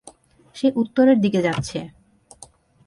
সে উত্তরের দিকে যাচ্ছে।